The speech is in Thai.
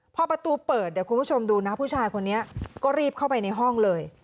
พอประตูเปิดเดี๋ยวคุณผู้ชมดูนะผู้ชายคนนี้ก็รีบเข้าไปในห้องเลย